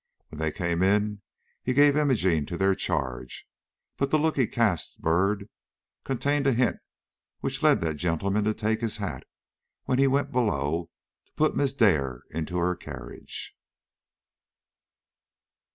When they came in he gave Imogene to their charge, but the look he cast Byrd contained a hint which led that gentleman to take his hat when he went below to put Miss Dare into her carriage.